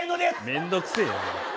めんどくせえよ！